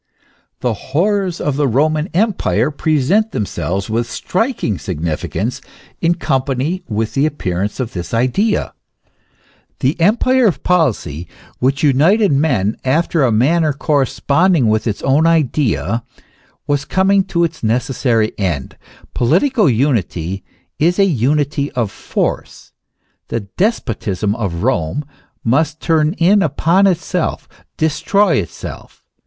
The horrors of the Roman Empire present them selves with striking significance in company with the appear ance of this idea. The empire of policy which united men after a manner corresponding with its own idea, was coming to its necessary end. Political unity is a unity of force. The despotism of Rome must turn in upon itself, destroy itself.